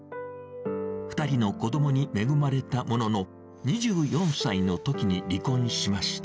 ２人の子どもに恵まれたものの、２４歳のときに離婚しました。